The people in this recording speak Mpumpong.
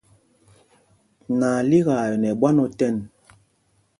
Nalíkaa ɛ nɛ ɓwán otɛn.